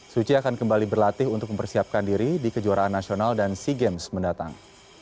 suci akan kembali berlatih untuk mempersiapkan diri di kejuaraan nasional dan sea games mendatang